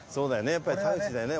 やっぱり田口だよね。